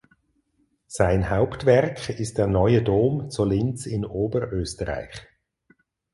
Sein Hauptwerk ist der Neue Dom zu Linz in Oberösterreich.